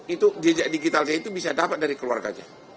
itu jejak digital saya itu bisa dapat dari keluarganya